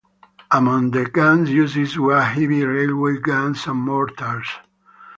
Among the guns used were heavy railway guns and mortars.